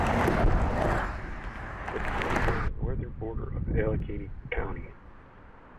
The town is on the northern border of Allegany County.